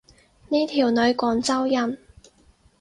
呢條女廣州人